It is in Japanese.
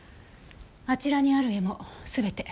あちらにある絵も全て。